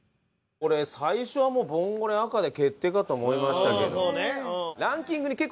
これ最初はもうボンゴレ赤で決定かと思いましたけど。